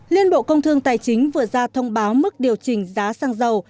liên bộ công thương tài chính vừa ra thông báo mức điều chỉnh giá xăng dầu